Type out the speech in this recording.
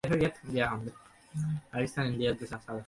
তাদের রক্তের বিনিময়েই সত্য উন্মোচিত হবে।